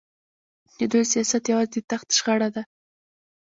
د دوی سیاست یوازې د تخت شخړه ده.